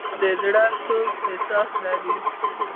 ترموز د زړه تود احساس لري.